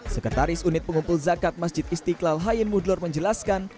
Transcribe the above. sekretaris unit pengumpul zakat masjid istiqlal hayem mudlor menjelaskan